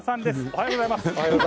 おはようございます。